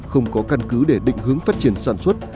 không có căn cứ để định hướng phát triển sản xuất